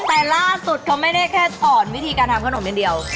แต่ล่าสุดเขาไม่ได้แค่สอนวิธีการทำขนมอย่างเดียว